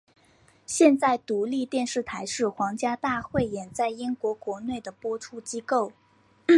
现在独立电视台是皇家大汇演在英国国内的播出机构。